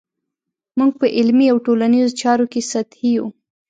موږ په علمي او ټولنیزو چارو کې سطحي یو.